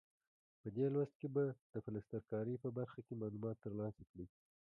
په دې لوست کې به د پلستر کارۍ په برخه کې معلومات ترلاسه کړئ.